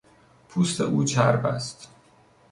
پوست او چرب است.